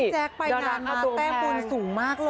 แจ๊คไปงานมาแต้มบุญสูงมากเลย